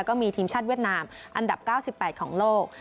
ก็มีทีมชาติเวียดนามอันดับ๙๘ของโลก